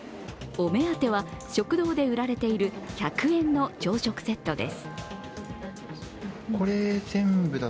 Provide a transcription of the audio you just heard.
お目当ては食堂で売られている１００円の朝食セットです。